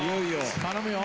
頼むよ。